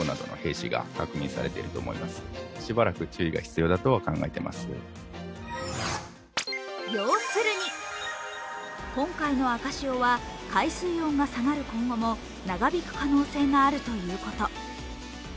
要するに、今回の赤潮は海水温が下がる今後も長引く可能性があるということ。